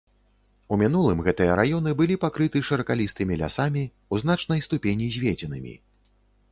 У мінулым гэтыя раёны былі пакрыты шыракалістымі лясамі, у значнай ступені зведзенымі.